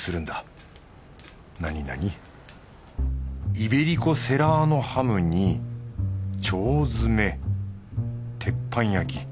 イベリコセラーノハムに腸詰め鉄板焼き。